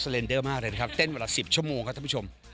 ก็ตอนนี้ก็สเตรนเดอร์มากเลยนะครับเต้นเวลา๑๐ชั่วโมงครับท่านผู้ชม